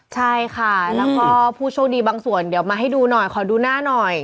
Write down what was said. ใช่ค่ะแล้วก็ผู้โชคดีบางส่วนเดี๋ยวมาให้ดูหน่อยขอดูหน้าหน่อย